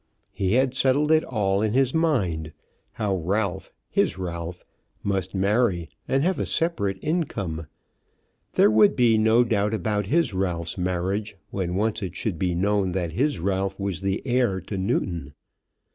He had settled it all in his mind; how Ralph, his Ralph, must marry, and have a separate income. There would be no doubt about his Ralph's marriage when once it should be known that his Ralph was the heir to Newton.